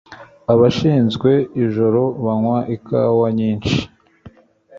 Abashinzwe ijoro banywa ikawa nyinshi